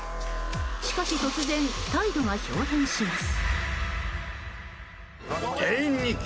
しかし突然、態度が豹変します。